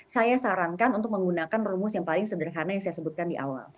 saya sarankan untuk menggunakan rumus yang paling sederhana yang saya sebutkan di awal